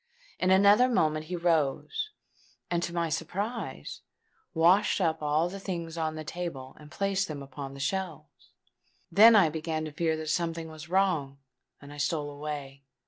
In another moment he rose, and to my surprise washed up all the things on the table and placed them upon the shelves. Then I began to fear that something was wrong; and I stole away.